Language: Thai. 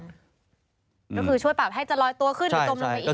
นี่คือช่วยปรับให้จะลอยตัวขึ้นหรือตกลงลงไปอีกก็ได้